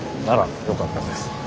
ならよかったです。